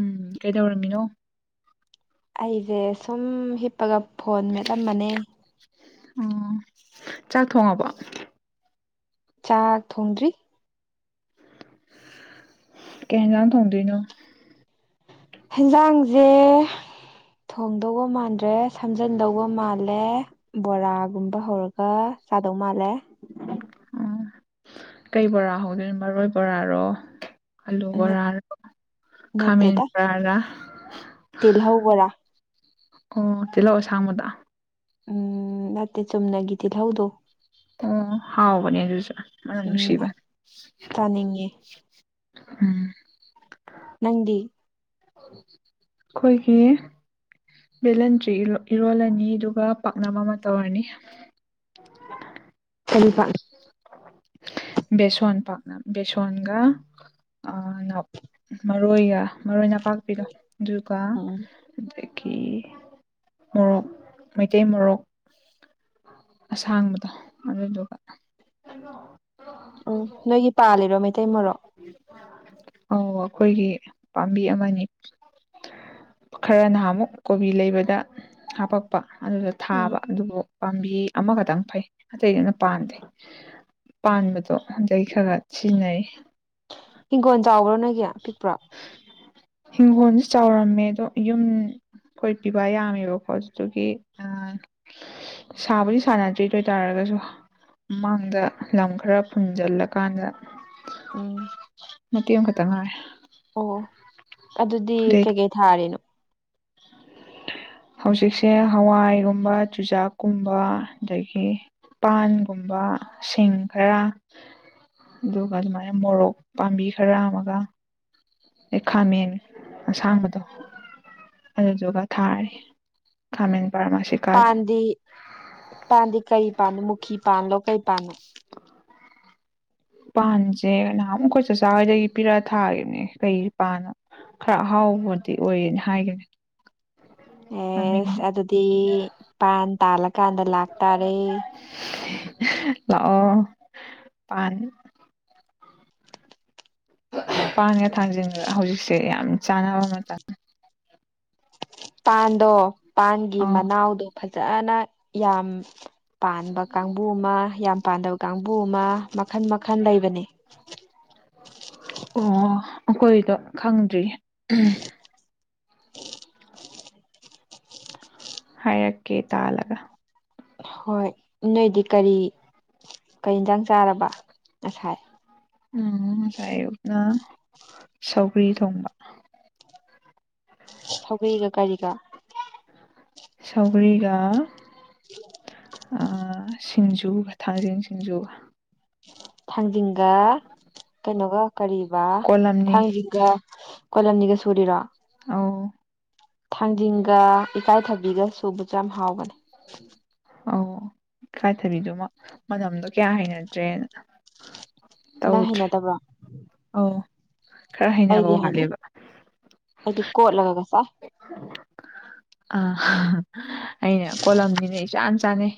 ꯎꯝ ꯀꯩꯗꯧꯔꯝꯃꯤꯅꯣ ꯑꯩꯖꯦ ꯁꯨꯝ ꯍꯤꯞꯄꯒ ꯐꯣꯟ ꯃꯦꯠꯂꯝꯕꯅꯦ ꯑꯣ ꯆꯥꯛ ꯊꯣꯡꯉꯕꯣ ꯆꯥꯛ ꯊꯣꯡꯗ꯭ꯔꯤ ꯀꯩ ꯍꯦꯟꯖꯥꯡ ꯊꯣꯡꯗꯣꯏꯅꯣ ꯍꯦꯟꯖꯥꯡꯖꯦ ꯊꯣꯡꯗꯧꯕ ꯃꯟꯗ꯭ꯔꯦ ꯁꯝꯖꯤꯟꯗꯧꯕ ꯃꯜꯂꯦ ꯕꯣꯔꯒꯨꯝꯕ ꯍꯧꯔꯒ ꯆꯗꯧ ꯃꯜꯂꯦ ꯑꯥ ꯀꯩ ꯕꯣꯔ ꯍꯧꯗꯣꯏꯅꯣ ꯃꯔꯣꯏ ꯕꯣꯔꯔꯣ ꯑꯂꯨ ꯕꯣꯔꯔꯥ ꯈꯃꯦꯟ ꯅꯠꯇꯦꯗ ꯕꯣꯔꯔꯥ ꯇꯤꯜꯍꯧ ꯒꯔꯥ ꯑꯣ ꯇꯤꯜꯍꯧ ꯑꯁꯥꯡꯕꯗꯣ ꯎꯝ ꯅꯠꯇꯦ ꯆꯨꯝꯅꯒꯗꯤ ꯍꯤꯜꯍꯧꯗꯣ ꯑꯣ ꯍꯥꯎꯕꯅꯤ ꯑꯗꯨꯖꯨ ꯃꯅꯝ ꯎꯝ ꯅꯨꯡꯁꯤꯕꯅꯦ ꯆꯥꯅꯤꯡꯉꯦ ꯎꯝ ꯅꯪꯗꯤ ꯈꯣꯏꯒꯤ ꯚꯦꯂꯟꯇ꯭ꯔꯤ ꯏꯔꯣꯜꯂꯅꯤ ꯑꯗꯨꯒ ꯄꯥꯛꯅꯝ ꯑꯃ ꯇꯧꯔꯅꯤ ꯀꯔꯤ ꯄꯥꯛ ꯕꯦꯁꯣꯟ ꯄꯥꯛꯅꯝ ꯕꯦꯁꯣꯟꯒ ꯑꯥ ꯃꯔꯣꯏꯒ ꯃꯔꯣꯏ ꯅꯄꯥꯛꯄꯤꯒ ꯑꯗꯨꯒ ꯎꯝ ꯀꯤ ꯃꯣꯔꯣꯛ ꯃꯩꯇꯩ ꯃꯣꯔꯣꯛ ꯑꯁꯥꯡꯕꯗꯣ ꯑꯗꯨ ꯗꯨꯒ ꯎꯝ ꯅꯣꯏꯒꯤ ꯄꯥꯜꯂꯤꯔꯣ ꯃꯩꯇꯩ ꯃꯔꯣꯛ ꯑꯧ ꯑꯩꯈꯣꯏꯒꯤ ꯄꯥꯝꯕꯤ ꯑꯃꯅꯤ ꯈꯔ ꯅꯍꯥꯟꯃꯨꯛ ꯀꯣꯕꯤ ꯂꯩꯕꯗ ꯍꯥꯄꯛꯄ ꯑꯗꯨꯗ ꯎꯝ ꯊꯥꯕ ꯑꯗꯨꯕꯨ ꯄꯥꯝꯕꯤ ꯑꯃꯈꯛꯇꯪ ꯐꯩ ꯑꯇꯩ ꯄꯥꯟꯗꯦ ꯄꯥꯟꯕꯗꯣ ꯑꯗꯩ ꯈꯔ ꯈꯔ ꯁꯤꯖꯤꯟꯅꯔꯤ ꯍꯤꯡꯒꯣꯜ ꯆꯥꯎꯈ꯭ꯔꯣ ꯅꯣꯏꯒꯤ ꯄꯤꯛꯄ꯭ꯔꯣ ꯍꯤꯡꯈꯣꯜꯁꯨ ꯆꯥꯎꯔꯝꯃꯦ ꯑꯗꯣ ꯌꯨꯝ ꯑꯩꯈꯣꯏ ꯄꯤꯕ ꯌꯥꯝꯃꯦꯕꯀꯣꯑꯗꯨ ꯗꯨꯒꯤ ꯁꯥꯕꯨꯗꯤ ꯁꯥꯟꯅꯗ꯭ꯔꯤ ꯑꯗꯨ ꯑꯣꯏ ꯇꯔꯒꯁꯨ ꯃꯃꯥꯡꯗ ꯂꯝ ꯈꯔ ꯐꯨꯟꯖꯤꯜꯂꯀꯥꯟꯗ ꯎꯝ ꯃꯇꯦ ꯑꯃꯈꯛꯇꯪ ꯉꯥꯏꯔꯦ ꯑꯣ ꯑꯗꯨꯗꯤ ꯑꯗꯩ ꯀꯩꯀꯩ ꯊꯥꯔꯤꯅꯣ [inaudible] ꯍꯧꯖꯤꯛꯁꯦ ꯍꯋꯥꯏꯒꯨꯝꯕ ꯆꯨꯖꯥꯛꯀꯨꯝꯕ ꯑꯗꯒꯤ ꯄꯥꯟꯒꯨꯝꯕ ꯁꯤꯡ ꯈꯔ ꯑꯗꯨꯒ ꯑꯗꯨꯃꯥꯏꯅ ꯃꯣꯔꯣꯛ ꯄꯥꯝꯕꯤ ꯈꯔ ꯑꯃꯒ ꯑꯩ ꯈꯥꯃꯦꯟ ꯑꯁꯥꯡꯕꯗꯣ ꯑꯗꯨꯗꯨꯒ ꯊꯥꯔꯤ ꯈꯥꯃꯦꯟ ꯄꯔꯃꯥꯁꯤꯀꯥ ꯄꯥꯟꯗꯤ ꯄꯥꯟꯗꯤ ꯀꯩ ꯄꯥꯟꯅꯣ ꯃꯨꯈꯤ ꯄꯥꯟꯂꯣ ꯀꯩ ꯄꯥꯟꯅꯣ ꯄꯥꯟꯁꯦ ꯅꯍꯥꯟꯃꯨꯛ ꯈꯣꯏ ꯆꯆꯥꯥ ꯍꯣꯏꯗꯒꯤ ꯄꯤꯔꯛ ꯑꯥ ꯊꯥꯈꯤꯕꯅꯦ ꯀꯩ ꯄꯥꯟꯅꯣ ꯈꯔ ꯑꯍꯥꯎꯕꯗꯤ ꯑꯣꯏꯌꯦꯅ ꯍꯥꯏꯒꯤꯕꯅꯤ ꯑꯦꯁ ꯑꯗꯨꯗꯤ ꯄꯥꯟ ꯇꯥꯜꯂꯀꯥꯟꯗ ꯂꯥꯛꯇꯥꯔꯦ ꯂꯥꯛꯑꯣ ꯄꯥꯟ ꯄꯥꯟꯒ ꯊꯥꯡꯖꯤꯡꯒ ꯍꯧꯖꯤꯛꯁꯦ ꯌꯥꯝ ꯆꯥꯟꯅꯕ ꯃꯇꯝꯅꯦ ꯄꯥꯟꯗꯣ ꯄꯥꯟꯒꯤ ꯑꯥ ꯃꯅꯥꯎꯗꯣ ꯐꯖꯅ ꯌꯥꯝ ꯄꯥꯟꯕ ꯀꯥꯡꯕꯨ ꯑꯃ ꯌꯥꯝ ꯄꯥꯟꯗꯕ ꯀꯥꯡꯕꯨ ꯑꯃ ꯃꯈꯜ ꯃꯈꯜ ꯂꯩꯕꯅꯤ ꯑꯣ ꯑꯩꯈꯣꯏꯗꯣ ꯈꯪꯗ꯭ꯔꯤ ꯑꯍꯝ ꯍꯥꯏꯔꯛꯀꯦ ꯇꯥꯜꯂꯒ ꯍꯣꯏ ꯅꯣꯏꯗꯤ ꯀꯔꯤ ꯀꯔꯤ ꯌꯦꯟꯁꯥꯡ ꯆꯥꯔꯕ ꯉꯁꯥꯏ ꯎꯝ ꯉꯁꯥꯏ ꯑꯌꯨꯛꯅ ꯁꯧꯒ꯭ꯔꯤ ꯊꯣꯡꯕ ꯁꯧꯒ꯭ꯔꯤꯒ ꯀꯔꯤꯒ [unintelligible] ꯁꯧꯒ꯭ꯔꯤꯒ [inaudible] ꯑ ꯁꯤꯡꯖꯨꯒ ꯊꯥꯡꯖꯤꯡ ꯁꯤꯡꯖꯨꯒ ꯊꯥꯡꯖꯤꯡꯒ ꯀꯩꯅꯣꯒ ꯀꯔꯤꯕ ꯀꯣꯜꯂꯝꯅꯤ ꯊꯥꯡꯖꯤꯡꯒ [inaudible] ꯀꯣꯂꯝꯅꯤꯒ ꯁꯨꯔꯤꯔꯣ ꯑꯣ ꯊꯥꯡꯖꯤꯡꯒ ꯏꯀꯥꯏꯊꯕꯤꯒ ꯁꯨꯕꯁꯨ ꯌꯥꯝ ꯍꯥꯎꯕꯅꯦ [unintelligible] ꯑꯥꯎ ꯏꯀꯥꯏꯊꯕꯤꯗꯨꯃ ꯃꯅꯝꯗꯣ ꯀꯌꯥ ꯍꯩꯅꯗ꯭ꯔꯦꯅ ꯅꯪ ꯍꯩꯅꯗꯕ꯭ꯔꯣ ꯑꯥꯎ ꯑꯩꯗꯤ ꯍꯩꯅꯤ ꯑꯩꯗꯤ ꯀꯣꯠꯂꯒꯒ ꯆꯥꯏ [unintelligible] ꯑꯥ ꯍꯥ ꯍꯥ ꯑꯩꯅ ꯀꯣꯂꯝꯅꯤꯅ ꯏꯆꯥꯟ ꯆꯥꯅꯩ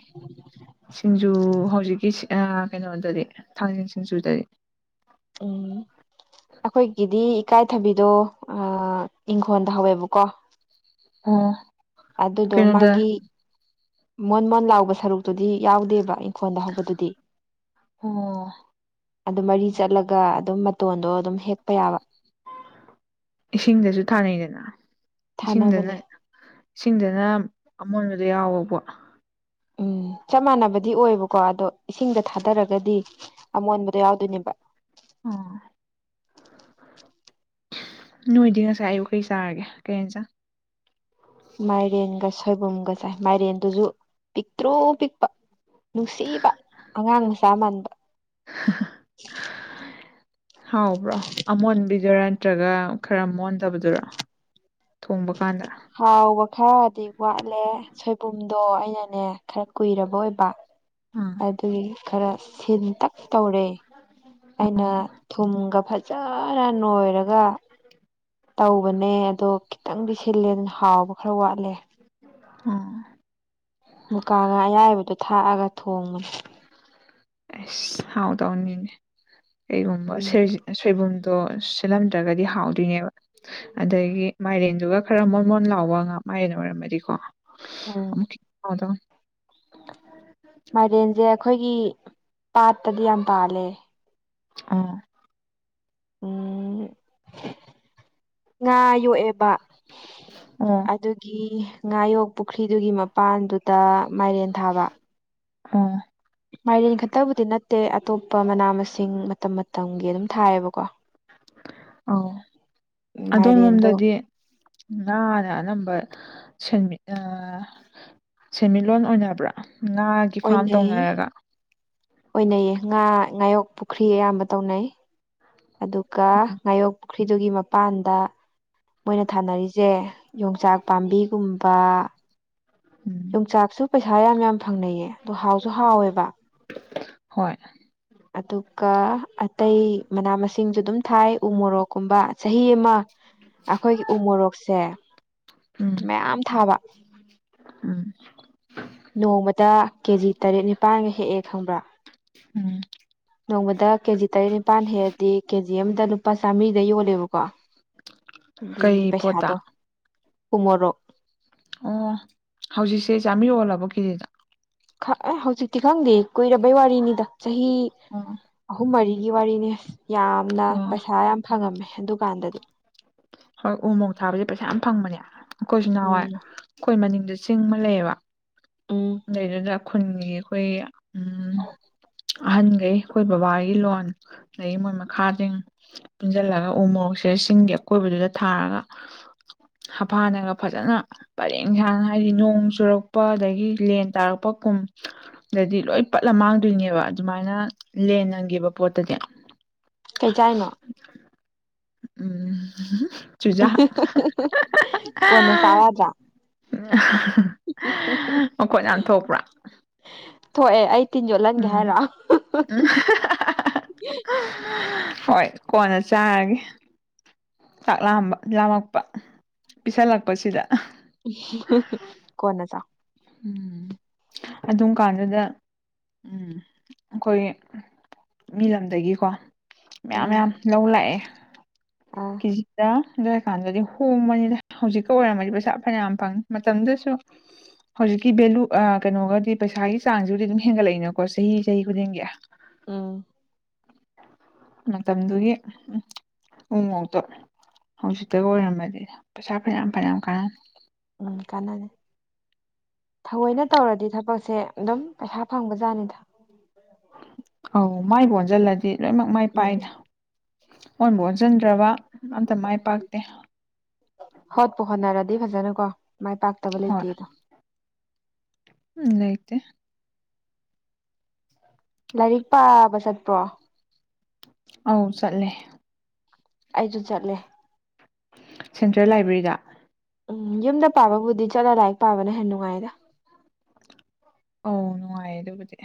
ꯁꯤꯡꯖꯨ ꯍꯧꯖꯤꯛꯀꯤ ꯁꯤꯡ ꯑ ꯀꯩꯅꯣꯗꯗꯤ ꯊꯥꯡꯖꯤꯡ ꯁꯤꯡꯖꯨꯗꯗꯤ ꯎꯝ ꯑꯈꯣꯏꯒꯤꯗꯤ ꯏꯀꯥꯏꯊꯕꯤꯗꯣ ꯑ ꯏꯪꯈꯣꯜꯗ ꯍꯧꯋꯦꯕꯀꯣ ꯑꯣ ꯑꯗꯨꯗꯣ ꯀꯩꯅꯣꯗ ꯃꯥꯒꯤ ꯃꯣꯟ ꯃꯣꯟ ꯂꯥꯎꯕ ꯁꯔꯨꯛꯇꯨꯗꯤ ꯌꯥꯎꯗꯦꯕ ꯑꯩꯅ ꯑꯍ ꯑꯣ ꯑꯗꯨ ꯃꯔꯤ ꯆꯠꯂꯒ ꯑꯗꯨꯝ ꯃꯇꯣꯟꯗꯣ ꯑꯗꯨꯝ ꯍꯦꯛꯄ ꯌꯥꯕ ꯏꯁꯤꯡꯗꯖꯨ ꯊꯥꯅꯩꯗꯅ ꯏꯁꯤꯡꯗꯅ ꯊꯥꯅꯕꯅꯦ ꯏꯁꯤꯡꯗꯅ ꯑꯃꯣꯟꯕꯗꯣ ꯌꯥꯎꯕꯄꯣꯠ ꯎꯝ ꯆꯞ ꯃꯥꯟꯅꯕꯗꯤ ꯑꯣꯏꯌꯦꯕꯀꯣ ꯑꯗꯣ ꯏꯁꯤꯡꯗ ꯊꯥꯗꯔꯒꯗꯤ ꯑꯃꯣꯟꯕꯗꯣ ꯌꯥꯎꯗꯣꯏꯅꯦꯕ ꯑꯝ [inaudible] ꯅꯣꯏꯗꯤ ꯉꯁꯥꯏ ꯑꯩꯌꯨꯛ ꯀꯩ ꯆꯥꯔꯒꯦ ꯀꯔꯤ ꯏꯟꯖꯥꯡ ꯃꯥꯏꯔꯦꯟꯒ ꯁꯣꯏꯕꯨꯝꯒ ꯆꯥꯏ ꯃꯥꯏꯔꯦꯟꯗꯨꯖꯨ ꯄꯤꯛꯇ꯭ꯔꯨ ꯄꯤꯛꯄ ꯅꯨꯡꯁꯤꯕ ꯑꯉꯥꯡ ꯃꯆꯥ ꯃꯥꯟꯕ [inaudible] ꯍꯥꯎꯕ꯭ꯔꯣ ꯑꯃꯣꯟꯕꯤꯗꯨꯔ ꯅꯠꯇ꯭ꯔꯒ ꯈꯔ ꯃꯣꯟꯗꯕꯗꯨꯔ ꯊꯣꯡꯕ ꯀꯥꯟꯗ ꯍꯥꯎꯕ ꯈꯔꯗꯤ ꯋꯥꯠꯂꯦ ꯁꯣꯏꯕꯨꯝꯗꯣ ꯑꯩꯅꯅꯦ ꯈꯔ ꯀꯨꯏꯔꯕ ꯑꯣꯏꯕ ꯑꯥ ꯑꯗꯨꯒꯤ ꯈꯔ ꯁꯤꯟꯇꯛ ꯇꯧꯔꯦ ꯑꯩꯅ ꯊꯨꯝꯒ ꯐꯖꯅ ꯅꯣꯏꯔꯒ ꯇꯧꯕꯅꯦ ꯑꯗꯣ ꯈꯤꯇꯪꯗꯤ ꯁꯤꯜꯂꯦ ꯑꯗꯨꯅ ꯍꯥꯎꯕ ꯈꯔ ꯋꯥꯠꯂꯦ ꯎꯝ ꯃꯨꯀꯥꯉꯥ ꯑꯌꯥꯏꯕꯗꯣ ꯊꯥꯛꯑꯒ ꯊꯣꯡꯕꯅꯦ ꯑꯩꯁ ꯍꯥꯎ ꯗꯧꯅꯤꯅꯦ ꯀꯩꯒꯨꯝꯕ ꯎꯝ ꯁꯣꯏꯖꯤꯟ ꯁꯣꯏꯕꯨꯝ ꯇꯣ ꯁꯤꯜꯂꯝꯗ꯭ꯔꯒꯗꯤ ꯍꯥꯎꯗꯣꯏꯅꯦꯕ ꯑꯗꯒꯤ ꯃꯥꯏꯔꯦꯟꯗꯨꯒ ꯈꯔ ꯃꯣꯟ ꯃꯣꯟ ꯂꯥꯎꯕ ꯉꯥꯛ ꯃꯥꯏꯔꯦꯟ ꯑꯣꯏꯔꯝꯃꯗꯤꯀꯣ ꯎꯝ ꯑꯃꯨꯛ ꯍꯥꯎꯗꯧꯅꯤ ꯃꯥꯏꯔꯦꯟꯖꯦ ꯑꯈꯣꯏꯒꯤ ꯄꯥꯠꯇꯗꯤ ꯌꯥꯝ ꯄꯥꯜꯂꯦ ꯑꯥ ꯎꯝ ꯉꯥ ꯌꯣꯛꯑꯦꯕ ꯑꯣ [inaudible] ꯑꯗꯨꯒꯤ ꯉꯥꯌꯣꯛ ꯄꯨꯈ꯭ꯔꯤꯗꯨꯒꯤ ꯃꯄꯥꯟꯗꯨꯗ ꯃꯥꯏꯔꯦꯟ ꯊꯥꯕ ꯎꯝ ꯃꯥꯏꯔꯦꯟ ꯈꯛꯇꯕꯨꯗꯤ ꯅꯠꯇꯦ ꯑꯇꯣꯞꯄ ꯃꯅꯥ ꯃꯁꯤꯡ ꯃꯇꯝ ꯃꯇꯝꯒꯤ ꯑꯗꯨꯝ ꯊꯥꯏꯑꯦꯕꯀꯣ ꯑꯥ ꯑꯗꯣꯝ ꯃꯥꯏꯔꯦꯟꯗꯣ ꯂꯣꯝꯗꯗꯤ ꯉꯥꯅ ꯑꯅꯦꯅꯝꯕ ꯁꯟꯃꯤ ꯑꯥ ꯁꯦꯟꯃꯤꯠꯂꯣꯟ ꯑꯣꯏꯅꯕ꯭ꯔꯥ ꯉꯥꯒꯤ ꯐꯥꯔꯝ ꯑꯣꯏꯅꯩ ꯇꯧꯅꯔꯒ ꯑꯣꯏꯅꯩꯌꯦ ꯉꯥ ꯉꯥꯌꯣꯛ ꯄꯨꯈ꯭ꯔꯤ ꯑꯌꯥꯝꯕ ꯇꯧꯅꯩ ꯑꯗꯨꯒ ꯉꯥꯌꯣꯛ ꯄꯨꯈ꯭ꯔꯤꯗꯨꯒꯤ ꯃꯄꯥꯟꯗ ꯃꯣꯏꯅ ꯊꯥꯅꯔꯤꯁꯦ ꯌꯣꯡꯆꯥꯛ ꯄꯥꯝꯕꯤꯒꯨꯝꯕ ꯎꯝ ꯌꯣꯡꯆꯥꯛꯁꯨ ꯄꯩꯁꯥ ꯌꯥꯝ ꯌꯥꯝ ꯐꯪꯅꯩꯌꯦ ꯑꯗꯣ ꯍꯥꯎꯁꯨ ꯍꯥꯎꯋꯦꯕ ꯍꯣꯏ ꯑꯗꯨꯒ ꯑꯇꯩ ꯃꯅꯥ ꯃꯁꯤꯡꯁꯨ ꯑꯗꯨꯝ ꯊꯥꯏ ꯎ ꯃꯣꯔꯣꯛꯀꯨꯝꯕ ꯆꯍꯤ ꯑꯃ ꯑꯩꯈꯣꯏꯒꯤ ꯎ ꯃꯣꯔꯣꯛꯁꯦ ꯎꯝ ꯃꯌꯥꯝ ꯊꯥꯕ ꯎꯝ ꯅꯣꯡꯃꯗ ꯀꯦ ꯖꯤ ꯇꯔꯦꯠ ꯅꯤꯄꯥꯜꯒ ꯍꯦꯛꯑꯦ ꯈꯪꯕ꯭ꯔꯥ ꯎꯝ ꯅꯣꯡꯃꯗ ꯀꯦꯖꯤ ꯇꯔꯦꯠ ꯅꯤꯄꯥꯜ ꯍꯦꯛ ꯗꯤ ꯀꯦꯖꯤ ꯑꯃꯗ ꯂꯨꯄꯥ ꯆꯥꯃꯔꯤꯗ ꯌꯣꯜꯂꯦꯕꯀꯣ ꯑꯗꯨꯗꯤ ꯀꯩ ꯄꯣꯠꯇ ꯄꯩꯁꯥꯗꯣ ꯎꯃꯣꯔꯣꯛ ꯑꯣ ꯍꯧꯖꯤꯛꯁꯦ ꯆꯥꯝꯔꯤ ꯌꯣꯜꯂꯕꯣ ꯀꯦꯖꯤꯗ ꯑ ꯍꯧꯖꯤꯛꯇꯤ ꯈꯪꯗꯦ ꯀꯨꯏꯔꯕꯩ ꯋꯥꯔꯤꯅꯤꯗ ꯆꯍꯤ ꯑꯣ ꯑꯍꯨꯝ ꯃꯔꯤ ꯑꯗꯨꯒꯤ ꯋꯥꯔꯤꯅꯤ ꯌꯥꯝꯅ ꯑꯣ ꯄꯩꯁꯥ ꯌꯥꯝ ꯐꯪꯉꯝꯃꯦ ꯑꯗꯨꯀꯥꯟꯗꯗꯤ ꯍꯣꯏ ꯎ ꯃꯣꯔꯣꯛ ꯊꯥꯕꯁꯦ ꯄꯩꯁꯥ ꯌꯥꯝ ꯐꯪꯕꯅꯦ ꯑꯩꯈꯣꯏꯁꯨ ꯅꯍꯥꯟꯋꯥꯏ ꯎꯝ ꯑꯩꯈꯣꯏ ꯃꯅꯤꯡꯗꯁꯨ ꯆꯤꯡ ꯑꯃ ꯂꯩꯌꯦꯕ ꯎꯝ ꯑꯗꯨꯏꯗꯨꯅ ꯈꯨꯟꯒꯤ ꯑꯩꯈꯣꯏ ꯑꯍꯟꯒꯩ ꯑꯩꯈꯣꯏ ꯕꯕꯥꯒꯤ ꯂꯣꯟ ꯑꯗꯗꯒꯤ ꯃꯣꯏ ꯃꯈꯥꯁꯤꯡ ꯄꯨꯟꯖꯤꯜꯂꯒ ꯎ ꯃꯣꯔꯣꯛꯁꯤ ꯁꯤꯡꯒꯤ ꯑꯀꯣꯏꯕꯗꯨꯗ ꯊꯥꯔꯒ ꯍꯥꯐꯅꯒ ꯐꯖꯅ ꯄꯔꯦꯡ ꯁꯥꯡꯅ ꯍꯥꯏꯗꯤ ꯅꯣꯡ ꯆꯨꯔꯛꯄ ꯑꯗꯒꯤ ꯂꯦꯟ ꯇꯥꯔꯛꯄ ꯀꯨꯝ ꯗꯗꯤ ꯂꯣꯏ ꯄꯠꯂ ꯃꯥꯡꯗꯣꯏꯅꯦꯕ ꯑꯗꯨꯃꯥꯏꯅ ꯂꯦꯟ ꯅꯪꯒꯤꯕ ꯄꯣꯠꯇꯗꯤ ꯀꯩ ꯆꯥꯏꯅꯣ ꯎꯝ ꯆꯨꯖꯥꯛ ꯀꯣꯟꯅ ꯆꯥꯎ ꯌꯥꯗ꯭ꯔꯥ ꯃꯈꯣꯟ ꯌꯥꯝ ꯊꯣꯛꯄ꯭ꯔꯥ ꯊꯣꯛꯑꯦ ꯑꯩ ꯇꯤꯟ ꯌꯣꯠꯍꯟꯒꯦ ꯍꯥꯏꯔꯣ ꯎꯝ ꯎꯝ ꯍꯥ ꯍꯥ ꯍꯥ ꯍꯣꯏ ꯀꯣꯟꯅ ꯆꯥꯔꯒꯦ ꯆꯥꯛ ꯂꯥꯑꯝꯕ ꯂꯥꯝꯃꯛꯄ ꯄꯤꯁꯜꯂꯛꯄꯁꯤꯗ ꯀꯣꯟꯅ ꯆꯥ ꯎꯝ ꯑꯗꯨꯝ ꯀꯥꯟꯗꯨꯗ ꯎ ꯑꯩꯈꯣꯏ ꯃꯤ ꯂꯝꯗꯒꯤꯀꯣ ꯃꯌꯥꯝ ꯎꯝ ꯃꯌꯥꯝ ꯂꯧ ꯂꯥꯛꯑꯦ ꯑꯥ ꯀꯦꯖꯤꯗ ꯑꯗꯨꯋꯥꯏꯀꯥꯟꯗꯗꯤ ꯍꯣꯡꯕꯅꯤꯅ ꯍꯧꯖꯤꯛꯀ ꯑꯣꯏꯔꯝꯃꯗꯤ ꯄꯩꯁꯥ ꯐꯅꯌꯥꯝ ꯐꯪꯉꯤ ꯃꯇꯝꯗꯨꯗꯁꯨ ꯍꯧꯖꯤꯛꯀꯤ ꯚꯦꯂꯨ ꯑꯥ ꯀꯩꯅꯣꯒꯗꯤ ꯄꯩꯁꯥꯒꯤ ꯆꯥꯡꯁꯤꯕꯨꯗꯤ ꯑꯗꯨꯝ ꯍꯦꯟꯒꯠꯂꯛꯏꯅꯀꯣ ꯆꯍꯤ ꯆꯍꯤ ꯈꯨꯗꯤꯡꯒꯤ ꯎꯝ ꯃꯇꯝꯗꯨꯒꯤ ꯎꯃꯣꯔꯣꯛꯇꯣ ꯍꯧꯖꯤꯛꯇꯒ ꯑꯣꯏꯔꯝꯃꯗꯤ ꯄꯩꯁꯥ ꯐꯅꯌꯥꯝ ꯐꯅꯌꯥꯝ ꯀꯥꯟꯅꯅꯤ ꯎꯝ ꯀꯥꯟꯅꯅꯤ ꯊꯑꯣꯏꯅ ꯇꯧꯔꯗꯤ ꯊꯕꯛꯁꯦ ꯑꯗꯨꯝ ꯄꯩꯁꯥ ꯐꯪꯕ ꯖꯥꯠꯅꯤꯗ ꯑꯧ ꯃꯥꯏ ꯒꯥ ꯑꯣꯟꯁꯤꯜꯂꯗꯤ ꯂꯣꯏꯅꯃꯛ ꯃꯥꯏ ꯄꯥꯛ ꯎꯝ ꯏꯗꯥ ꯑꯣꯟꯕꯨ ꯑꯣꯟꯁꯤꯟꯗ꯭ꯔꯕ ꯑꯝꯇ ꯃꯥꯏ ꯄꯥꯛꯇꯦ ꯐꯗꯤ ꯐꯖꯅꯀꯣ ꯃꯥꯏ ꯄꯥꯛꯇꯕ ꯍꯣꯏ ꯂꯩꯇꯦꯗꯣ ꯎꯝ ꯂꯩꯥꯇꯦ ꯂꯥꯏꯔꯤꯛ ꯄꯥꯕ ꯆꯠꯄ꯭ꯔꯣ ꯑꯧ ꯆꯠꯂꯦ ꯑꯩꯁꯨ ꯆꯠꯂꯦ ꯁꯦꯟꯇ꯭ꯔꯦꯜ ꯂꯥꯏꯕ꯭ꯔꯦꯔꯤꯗ ꯎꯝ ꯌꯨꯝꯗ ꯄꯥꯕꯕꯨꯗꯤ ꯆꯠꯂ ꯂꯥꯏꯔꯤꯛ ꯄꯥꯕꯅ ꯍꯦꯟꯅ ꯅꯨꯡꯉꯥꯏꯗ ꯑꯧ ꯅꯨꯡꯉꯥꯏꯌꯦ ꯑꯗꯨꯕꯨꯗꯤ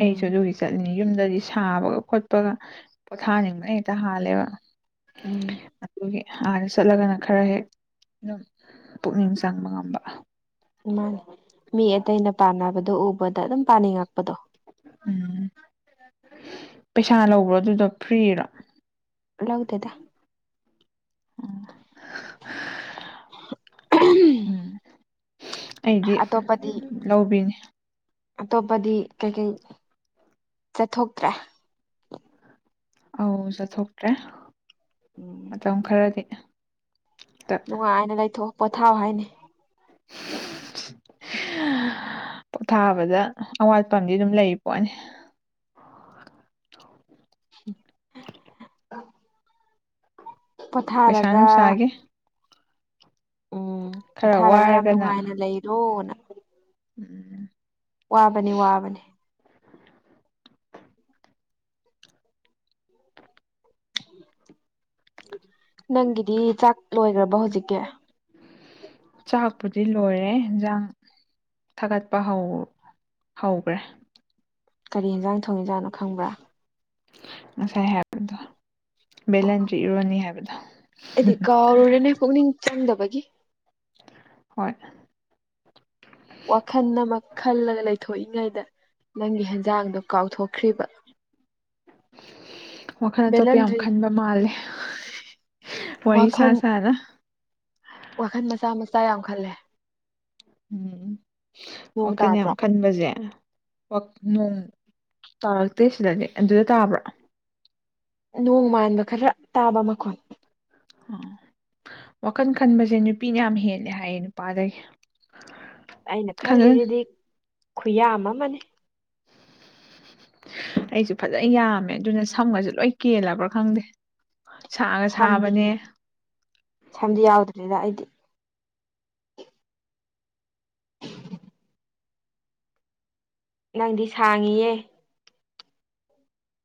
ꯑꯩꯁꯨ ꯎꯝ ꯑꯗꯨꯒꯤ ꯆꯠꯅꯤꯡꯉ ꯌꯨꯝꯗꯗꯤ ꯁꯥꯕꯒ ꯈꯣꯠꯄꯒ ꯄꯣꯊꯥꯅꯤꯡꯕꯅ ꯍꯦꯛꯇ ꯍꯥꯜꯂꯦꯕ ꯎꯝ ꯍꯥꯟꯅ ꯆꯠꯂꯒꯅ ꯈꯔ ꯍꯦꯛ ꯑꯗꯨꯝ ꯄꯨꯛꯅꯤꯡ ꯆꯪꯕ ꯉꯝꯕ ꯃꯥꯅꯦ ꯃꯤ ꯑꯇꯩꯅ ꯄꯥꯟꯅꯕꯗꯣ ꯎꯕꯗ ꯑꯗꯨꯝ ꯄꯥꯅꯤꯡꯉꯛꯄꯗꯣ ꯎꯝ ꯄꯩꯁꯥ ꯂꯧꯕ꯭ꯔꯣ ꯑꯗꯨꯗꯣ ꯐ꯭ꯔꯤꯔꯣ ꯂꯧꯥꯗꯦꯗ [unintelligible] ꯎꯝ ꯑꯩꯗꯤ ꯑꯇꯣꯞꯄꯗꯤ ꯂꯧꯕꯤꯅꯤ ꯑꯇꯣꯞꯄꯗꯤ ꯀꯩꯀꯩ ꯆꯠꯊꯣꯛꯇ꯭ꯔꯦ ꯑꯧ ꯆꯠꯊꯣꯛꯇ꯭ꯔꯦ ꯎꯝ ꯃꯇꯝ ꯈꯔꯗꯤ ꯍꯦꯛꯇ ꯅꯨꯡꯉꯥꯏꯅ ꯂꯩꯊꯣꯛ ꯄꯣꯊꯥꯎ ꯍꯥꯏꯅꯤ ꯄꯣꯊꯥꯕꯗ ꯑꯋꯥꯠꯄ ꯑꯃꯗꯤ ꯑꯗꯨꯝ ꯂꯩ ꯄꯣꯠꯅꯤ [unintelligible] ꯄꯩꯁꯥ ꯄꯣꯊꯥꯔꯒ ꯅꯨꯡꯁꯥꯒꯤ ꯎꯝ ꯈꯔ ꯄꯣꯊꯥꯔꯒ ꯌꯥꯝ ꯋꯥꯔꯒꯅ ꯅꯨꯡꯉꯥꯏꯅ ꯂꯩꯔꯣꯅ ꯎꯝ ꯋꯥꯕꯅꯤ ꯋꯥꯕꯅꯤ ꯅꯪꯒꯤꯗꯤ ꯆꯥꯛ ꯂꯣꯏꯈ꯭ꯔꯕ ꯍꯧꯖꯤꯛꯀꯤ ꯆꯥꯛꯄꯨꯗꯤ ꯂꯣꯏꯔꯦ ꯌꯦꯟꯖꯥꯡ ꯊꯥꯒꯠꯄ ꯍꯧꯈ꯭ꯔꯦ ꯀꯔꯤ ꯌꯦꯟꯖꯥꯡ ꯊꯣꯡꯏ ꯖꯥꯠꯅꯣ ꯈꯪꯕ꯭ꯔꯥ ꯉꯁꯥꯏ ꯍꯥꯏꯕꯗꯣ ꯑꯣ ꯕꯦꯂꯦꯟꯗ꯭ꯔꯤ ꯏꯔꯣꯟꯅꯤ ꯍꯥꯏꯕꯗꯣ ꯑꯩꯗꯤ ꯀꯥꯎꯔꯨꯔꯦꯅꯦ ꯄꯨꯛꯅꯤꯡ ꯆꯪꯗꯕꯒꯤ ꯍꯣꯏ ꯋꯥꯈꯜ ꯑꯃ ꯈꯟꯂꯒꯥ ꯂꯩꯊꯣꯛ ꯊꯣꯛꯏꯉꯩꯗ ꯅꯪꯒꯤ ꯍꯦꯟꯖꯥꯡꯗꯣ ꯀꯥꯎꯊꯣꯛꯈ꯭ꯔꯤꯕ ꯋꯥꯈꯜ ꯑꯇꯣꯞꯄ ꯌꯥꯝ ꯕꯦꯂꯟꯗ꯭ꯔꯤ ꯈꯟꯕ ꯃꯥꯜꯂꯦ ꯋꯥꯔꯤ ꯁꯥ ꯁꯥꯅ ꯋꯥꯈꯟ ꯃꯆꯥ ꯃꯆꯥ ꯌꯥꯝ ꯈꯜꯂꯦ ꯎꯝ ꯅꯣꯡ ꯋꯥꯈꯜ ꯌꯥꯝ ꯇꯥꯗ꯭ꯔꯣ ꯈꯟꯕꯁꯦ ꯅꯣꯡ ꯇꯥꯔꯛꯇꯦ ꯁꯤꯗꯗꯤ ꯑꯗꯨꯗ ꯇꯥꯕ꯭ꯔꯥ ꯅꯣꯡ ꯃꯥꯟꯕ ꯈꯔ ꯇꯥꯕ ꯃꯈꯣꯟ ꯑꯣ ꯋꯥꯈꯜ ꯈꯟꯕꯁꯦ ꯅꯨꯄꯤꯅ ꯌꯥꯝ ꯍꯦꯜꯂꯦ ꯍꯥꯏꯌꯦ ꯅꯨꯄꯥꯗꯒꯤ ꯑꯩꯅ ꯈꯪꯗꯦ ꯈꯜꯂꯤꯁꯤꯗꯤ ꯈꯨꯌꯥꯝ ꯑꯃꯅꯤꯅꯦ ꯑꯩꯁꯨ ꯐꯖ ꯌꯥꯝꯃꯦ ꯑꯗꯨꯅ ꯁꯝꯒꯁꯨ ꯂꯣꯏ ꯀꯦꯜꯂꯕ꯭ꯔꯥ ꯈꯪꯗꯦ ꯁꯥꯒ ꯁꯝꯗꯤ ꯁꯥꯕꯅꯦ ꯁꯝꯗꯤ ꯌꯥꯎꯗ꯭ꯔꯦꯗ ꯑꯩꯗꯤ ꯅꯪꯗꯤ ꯁꯥꯡꯉꯤꯌꯦ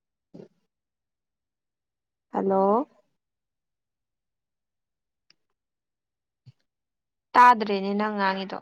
[inaudible] ꯍꯜꯂꯣ ꯇꯥꯗ꯭ꯔꯦꯅꯦ ꯅꯪ ꯉꯥꯡꯉꯤꯗꯣ